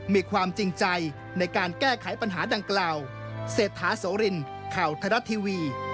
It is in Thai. มีความจริงใจในการแก้ไขปัญหาดังกล่าว